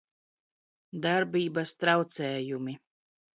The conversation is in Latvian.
Darbības traucējumi